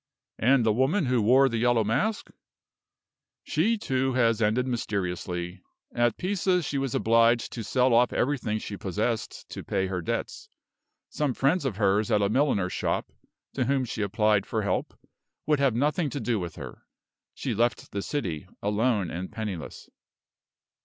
"And the woman who wore the yellow mask?" "She, too, has ended mysteriously. At Pisa she was obliged to sell off everything she possessed to pay her debts. Some friends of hers at a milliner's shop, to whom she applied for help, would have nothing to do with her. She left the city, alone and penniless."